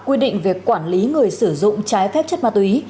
quy định về quản lý người sử dụng trái phép chất ma túy